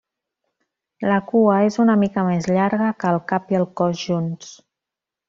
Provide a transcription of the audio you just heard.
La cua és una mica més llarga que el cap i el cos junts.